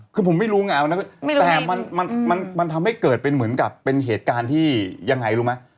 คือผมไม่รู้ไงวันนั้นแต่มันทำให้เกิดเป็นเหมือนกับเป็นเหตุการณ์ที่ยังไงรู้ไหม